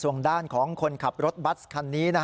ส่วนด้านของคนขับรถบัสคันนี้